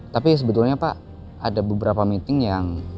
tapi sebetulnya pak ada beberapa meeting yang